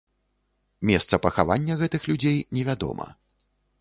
Месца пахавання гэтых людзей невядома.